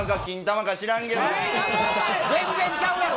全然ちゃうやろ！